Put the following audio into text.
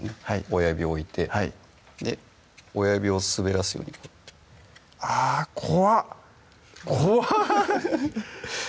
親指置いて親指を滑らすようにあ怖っ怖